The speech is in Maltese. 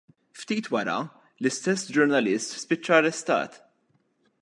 Ftit wara, l-istess ġurnalist spiċċa arrestat.